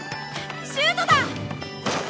シュートだ！